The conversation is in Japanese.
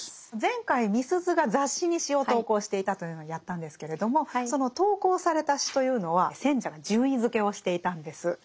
前回みすゞが雑誌に詩を投稿していたというのをやったんですけれどもその投稿された詩というのは選者が順位づけをしていたんです。